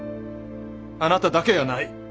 あなただけやない！